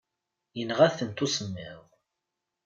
Yenɣa-tent usemmiḍ.